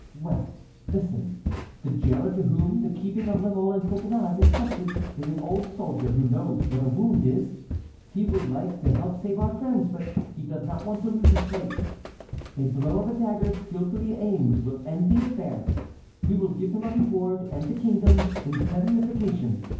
"Well, listen; the jailer to whom the keeping of La Mole and Coconnas is entrusted is an old soldier who knows what a wound is. He would like to help save our friends, but he does not want to lose his place. A blow of a dagger skilfully aimed will end the affair. We will give him a reward and the kingdom, indemnification.